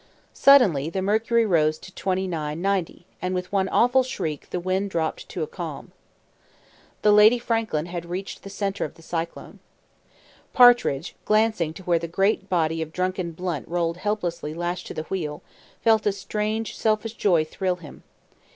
Suddenly the mercury rose to 29:90, and, with one awful shriek, the wind dropped to a calm. The Lady Franklin had reached the centre of the cyclone. Partridge, glancing to where the great body of drunken Blunt rolled helplessly lashed to the wheel, felt a strange selfish joy thrill him.